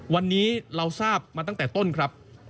วันนี้เราทราบมาตั้งแต่ต้นครับ